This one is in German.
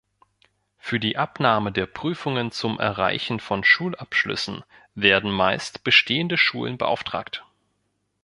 Für die Abnahme der Prüfungen zum Erreichen von Schulabschlüssen werden meist bestehende Schulen beauftragt.